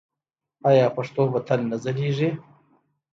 آیا پښتو به تل نه ځلیږي؟